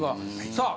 さあ！